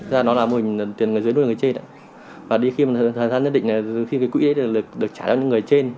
để được trả cho những người trên